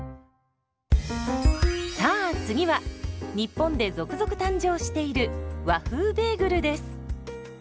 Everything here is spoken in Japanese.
さあ次は日本で続々誕生している「和風ベーグル」です。